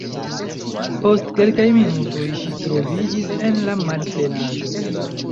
Post kelkaj minutoj ŝi troviĝis en la malplenaĵo.